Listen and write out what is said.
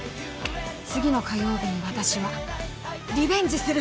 次の火曜日に私はリベンジする！